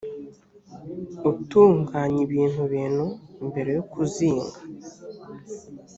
utunganyibintubintu mbere yo kuzinga.